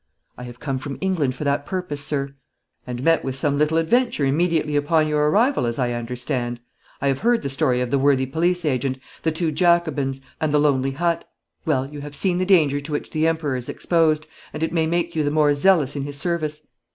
'I have come from England for that purpose, sir.' 'And met with some little adventure immediately upon your arrival, as I understand. I have heard the story of the worthy police agent, the two Jacobins, and the lonely hut. Well, you have seen the danger to which the Emperor is exposed, and it may make you the more zealous in his service.